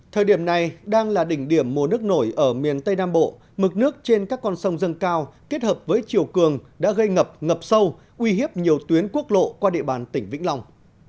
thời điểm này đang là đỉnh điểm mùa nước nổi ở miền tây nam bộ mực nước trên các con sông dâng cao kết hợp với chiều cường đã gây ngập ngập sâu uy hiếp nhiều tuyến quốc lộ qua địa bàn tỉnh vĩnh long